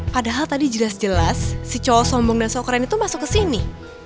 padahal tadi jelas jelas si cowok sombong dan sok keren itu masuk kesini